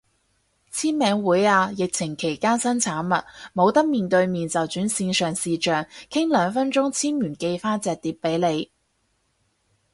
簽名會啊，疫情期間新產物，冇得面對面就轉線上視象，傾兩分鐘簽完寄返隻碟俾你